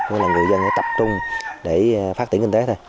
người dân phải tập trung để phát triển kinh tế thôi